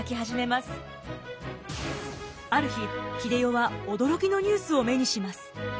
ある日英世は驚きのニュースを目にします。